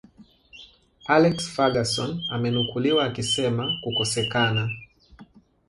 alex furgason amenukuliwa akisema kukosekana